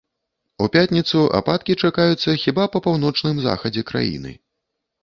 У пятніцу ападкі чакаюцца хіба па паўночным захадзе краіны.